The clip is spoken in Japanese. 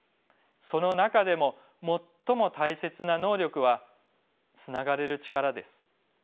その中でも最も大切な能力はつながれる力です。